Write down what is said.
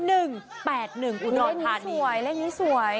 อุดรธานี